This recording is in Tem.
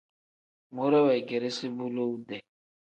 Muure weegeresi bu lowu-dee.